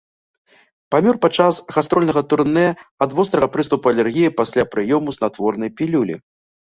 Памёр падчас гастрольнага турнэ ад вострага прыступу алергіі пасля прыёму снатворнай пілюлі.